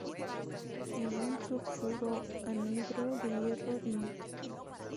Es un sulfuro anhidro de hierro y níquel.